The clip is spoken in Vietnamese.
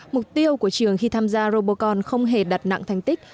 mục tiêu của trường khi tham gia robotcom không hề đặt nặng thành tích